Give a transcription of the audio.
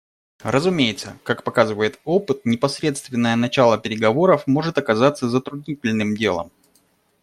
Разумеется, как показывает опыт, непосредственное начало переговоров может оказаться затруднительным делом.